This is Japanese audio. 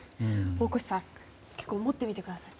大越さん、持ってみてください。